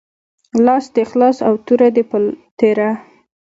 لاس دي خلاص او توره دي تیره